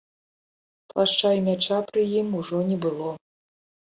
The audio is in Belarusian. Плашча і мяча пры ім ужо не было.